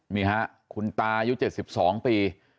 มีฮะคุณตายุ่งเจ็ดสิบสองปี